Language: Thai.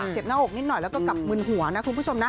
หน้าอกนิดหน่อยแล้วก็กลับมึนหัวนะคุณผู้ชมนะ